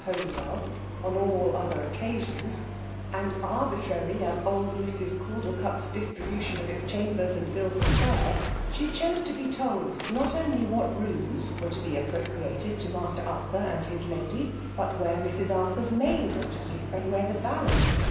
Holywell on all other occasions, and arbitrarj Aft old Mrs. Caudlecup's distribution of its •ehambers and bills of fare, she chose to be iold not only what rooms were to be appro* priated to Master Arthur and his lady, but where Mrs. Arthur *s maid was to sleep, and where the valet.